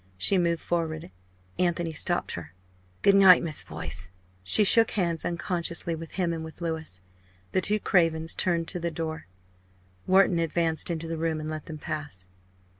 She moved forward. Anthony stopped her. "Good night, Miss Boyce!" She shook hands unconsciously with him and with Louis. The two Cravens turned to the door. Wharton advanced into the room, and let them pass.